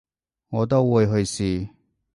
我都會去試